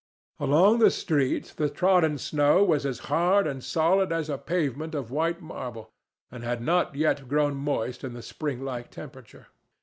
Along the street the trodden snow was as hard and solid as a pavement of white marble, and had not yet grown moist in the spring like temperature.